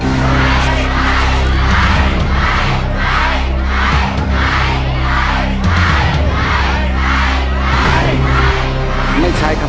ใช้ไม่ใช้ครับ